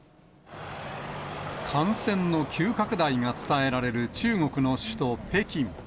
感染の急拡大が伝えられる中国の首都北京。